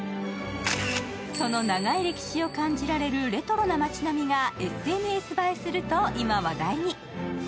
その長い歴史を感じられるレトロな町並みがＳＮＳ映えすると今、話題に。